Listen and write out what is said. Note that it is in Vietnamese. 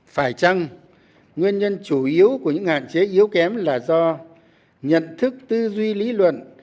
phải chăng nguyên nhân chủ yếu của những hạn chế yếu kém là do nhận thức tư duy lý luận